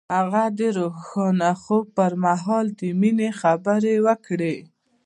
هغه د روښانه خوب پر مهال د مینې خبرې وکړې.